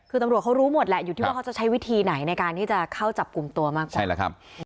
คือตำรวจเขารู้หมดแหละอยู่ที่ว่าเขาจะใช้วิธีไหนในการที่จะเข้าจับกลุ่มตัวมากกว่าใช่แล้วครับ